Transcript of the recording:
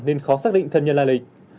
nên khó xác định thân nhân lai lịch